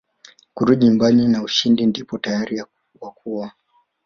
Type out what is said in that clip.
kurudi nyumbani na ushindi ndipo tayari wa kuoa